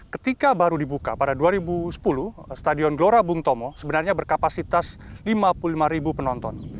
ketika baru dibuka pada dua ribu sepuluh stadion gelora bung tomo sebenarnya berkapasitas lima puluh lima ribu penonton